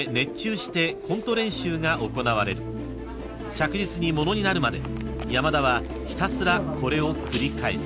［着実に物になるまで山田はひたすらこれを繰り返す］